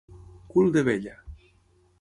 Cul de vella.